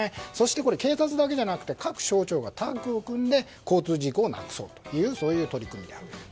そして、警察だけじゃなくて各省庁がタッグを組んで交通事故をなくそうという取り組みであると。